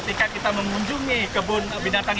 di mana kita mengajak pemerintah untuk bisa lebih dekat dengan